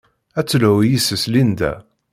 Ad d-telhu yes-s Linda.